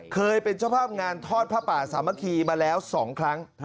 เคยเป็นเจ้าภาพงานทอดผ้าป่าสามัคคีมาแล้ว๒ครั้ง